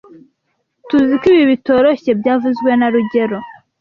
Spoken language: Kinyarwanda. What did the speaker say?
Tuziko ibi bitoroshye byavuzwe na rugero